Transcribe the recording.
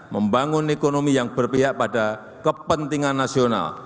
membangun ekonomi yang berpihak pada kepentingan nasional